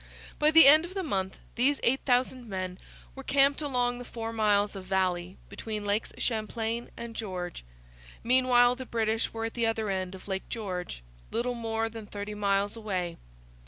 By the end of the month these 8,000 men were camped along the four miles of valley between Lakes Champlain and George. Meanwhile the British were at the other end of Lake George, little more than thirty miles away.